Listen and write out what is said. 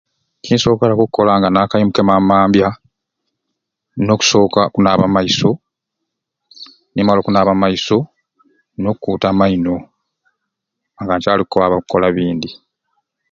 Kyensokeraku okukola nga nakeyimuka emambya mambya nina okusoka okunaaba amaiso nimala okunaaba amaiso nina okukuuta amaino nga nkyali kwaba kukola bindi